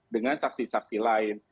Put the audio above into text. dengan saksi saksi lain